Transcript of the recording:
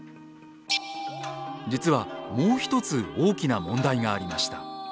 実はもう一つ大きな問題がありました。